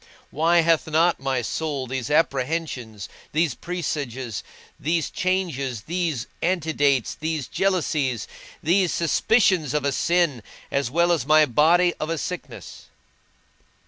Why hath not my soul these apprehensions, these presages, these changes, these antidates, these jealousies, these suspicions of a sin, as well as my body of a sickness?